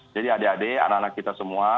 jadi adik adik anak anak kita semua